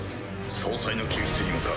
総裁の救出に向かう。